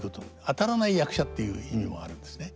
当たらない役者っていう意味もあるんですね。